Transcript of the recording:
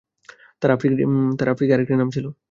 তার আফ্রিকী আরেকটি নাম ছিল।